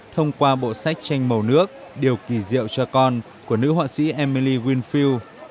thông qua bộ sách tranh màu nước điều kỳ diệu cho con của nữ họa sĩ emily winfield